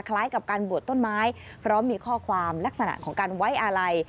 คล้ายกับการบวชต้นไม้พร้อมมีข้อความลักษณะของการไว้อาลัย